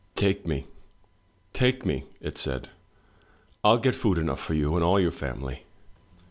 "Take me! Take me!" it said. "rU get food enough for you and all yoiu: family."